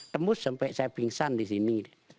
tembus sampai saya pingsan di sini